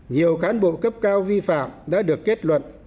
nhiều cán bộ cấp cao vi phạm đã được kết luận